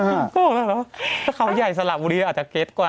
โอ้โฮแล้วเขาใหญ่สละบูรีอาจจะเก็ตกว่า